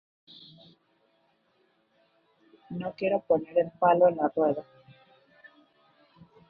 No quiero poner el palo en la rueda.